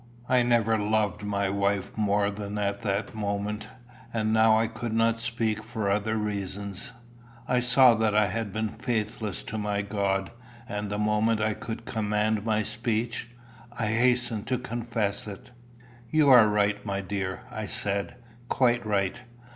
I never loved my wife more than at that moment. And now I could not speak for other reasons. I saw that I had been faithless to my God, and the moment I could command my speech, I hastened to confess it. "You are right, my dear," I said, "quite right.